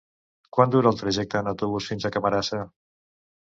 Quant dura el trajecte en autobús fins a Camarasa?